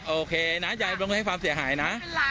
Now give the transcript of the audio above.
โอเคนะยายต้องให้ความเสียหายนะ